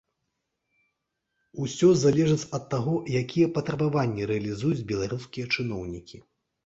Усё залежыць ад таго, якія патрабаванні рэалізуюць беларускія чыноўнікі.